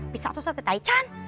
bisa susah susah kita ikan